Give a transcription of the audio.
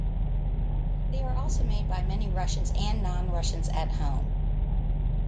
They are also made by many Russians and non-Russians at home.